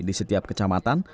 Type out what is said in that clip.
di setiap kecamatan